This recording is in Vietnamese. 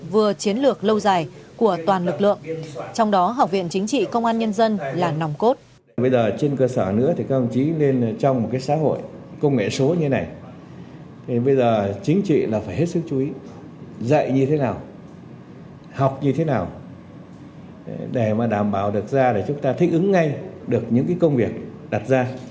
vừa chiến lược lâu dài của toàn lực lượng trong đó học viện chính trị công an nhân dân là nòng cốt